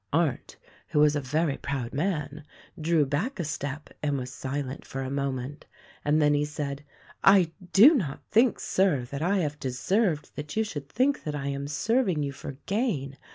Arndt, who' was a very proud man, drew back a step and was silent for a moment, and then he said, "I do not think, Sir, that I have deserved that you should think that I am serving you for gain.